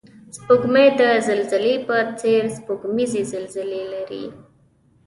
سپوږمۍ د زلزلې په څېر سپوږمیزې زلزلې لري